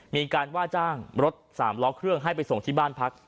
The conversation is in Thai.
มีการว่าจ้างรถสามล้อเครื่องให้ไปส่งที่บ้านพัก